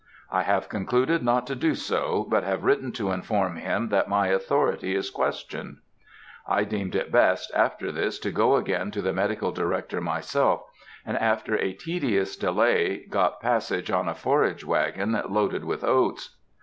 "I have concluded not to do so, but have written to inform him that my authority is questioned." I deemed it best, after this, to go again to the Medical Director myself, and, after a tedious delay, got passage on a forage wagon loaded with oats.